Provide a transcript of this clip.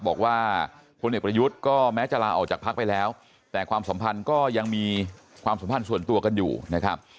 บอกว่าพลเอกประยุทธ์ก็แม้จะลาออกจากพักไปแล้วแต่ความสัมพันธ์ก็ยังมีความสัมพันธ์ส่วนตัวกันอยู่นะครับ